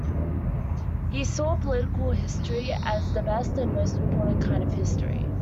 He saw political history as the best and most important kind of history.